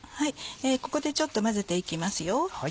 ここでちょっと混ぜて行きますよ。